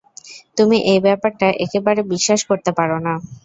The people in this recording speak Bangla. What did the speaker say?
তুমি এই ব্যাপারটা একেবারে বিশ্বাস করতে পারো না।